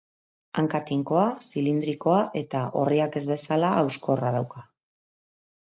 Hanka tinkoa, zilindrikoa eta, orriak ez bezala, hauskorra dauka.